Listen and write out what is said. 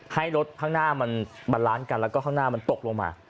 ให้รถข้างหน้ามันล้านกันแล้วก็ข้างหน้ามันตกลงมา